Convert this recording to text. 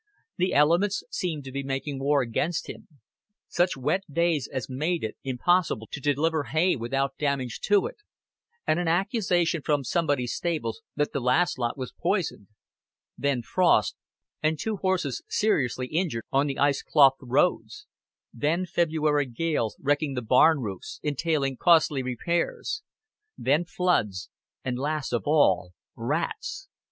The elements seemed to be making war against him such wet days as made it impossible to deliver hay without damage to it, and an accusation from somebody's stables that the last lot was poisoned; then frost, and two horses seriously injured on the ice clothed roads; then February gales, wrecking the barn roofs, entailing costly repairs; then floods; and last of all rats.